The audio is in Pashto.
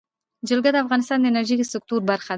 جلګه د افغانستان د انرژۍ سکتور برخه ده.